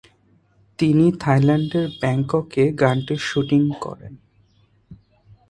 তিনি থাইল্যান্ডের ব্যাংককে গানটির শুটিং করেন।